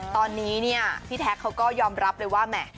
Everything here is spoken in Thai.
ตอนนี้เนี่ยพี่แท็กเขาก็ยอมรับเลยว่าแหม